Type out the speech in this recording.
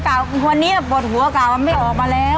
คนนี้ปวดหัวกล่ามันไม่ออกมาแล้ว